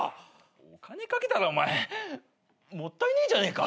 お金賭けたらお前もったいねえじゃねえか。